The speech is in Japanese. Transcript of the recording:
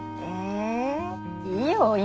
えいいよ